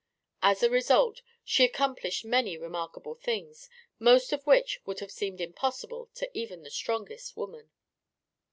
As a result she accomplished many remarkable things, most of which would have seemed impossible to even the strongest woman.